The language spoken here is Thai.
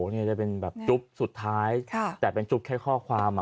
นี่จะเป็นแบบจุ๊บสุดท้ายแต่เป็นจุ๊บแค่ข้อความ